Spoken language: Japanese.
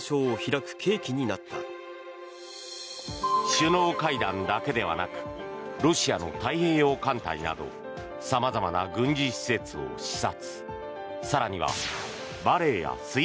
首脳会談だけではなくロシアの太平洋艦隊など様々な軍事施設を視察。